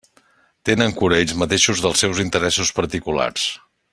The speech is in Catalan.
Tenen cura ells mateixos dels seus interessos particulars.